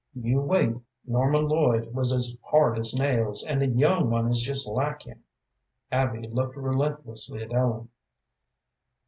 "You wait. Norman Lloyd was as hard as nails, and the young one is just like him." Abby looked relentlessly at Ellen.